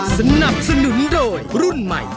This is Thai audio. สนับสนุนโดยรุ่นใหม่